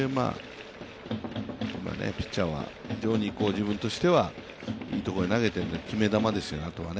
ピッチャーは自分としてはいいところへ投げてるんで、あとは決め球ですよね。